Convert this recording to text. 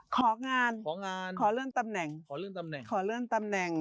ของานขอเรื่องตำแหน่ง